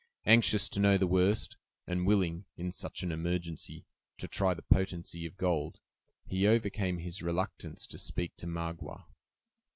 Anxious to know the worst, and willing, in such an emergency, to try the potency of gold he overcame his reluctance to speak to Magua.